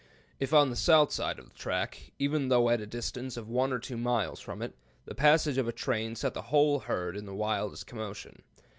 If on the south side of the track, even though at a distance of 1 or 2 miles from it, the passage of a train set the whole herd in the wildest commotion.